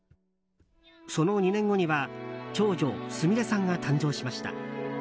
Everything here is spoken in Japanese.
その２年後には長女すみれさんが誕生しました。